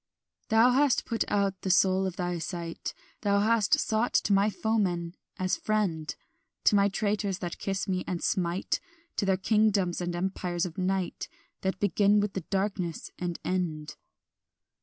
"Thou hast put out the soul of thy sight; Thou hast sought to my foemen as friend, To my traitors that kiss me and smite, To the kingdoms and empires of night That begin with the darkness, and end.